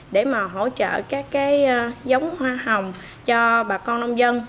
để mà hỗ trợ các cái giống hoa hồng cho bà con nông dân